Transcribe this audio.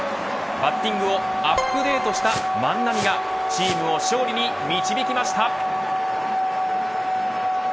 バッティングをアップデートした万波がチームを勝利に導きました。